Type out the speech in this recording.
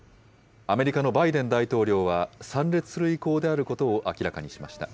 アメリカのバイデン大統領は参列する意向であることを明らかにしました。